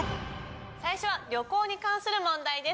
最初は旅行に関する問題です。